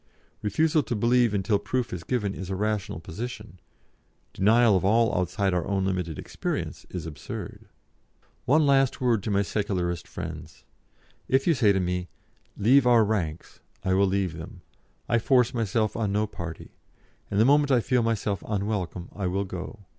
Refusal to believe until proof is given is a rational position; denial of all outside of our own limited experience is absurd. "One last word to my Secularist friends. If you say to me, 'Leave our ranks,' I will leave them; I force myself on no party, and the moment I feel myself unwelcome I will go.